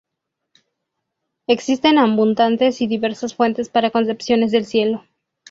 Existen abundantes y diversas fuentes para concepciones del Cielo.